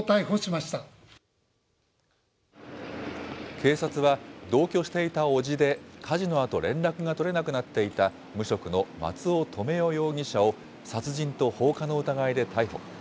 警察は、同居していた伯父で、火事のあと連絡が取れなくなっていた無職の松尾留与容疑者を殺人と放火の疑いで逮捕。